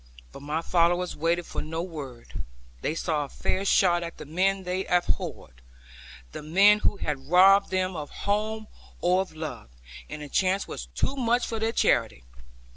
But my followers waited for no word; they saw a fair shot at the men they abhorred, the men who had robbed them of home or of love, and the chance was too much for their charity.